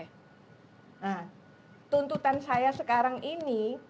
nah tuntutan saya sekarang ini